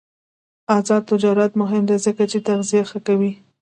آزاد تجارت مهم دی ځکه چې تغذیه ښه کوي.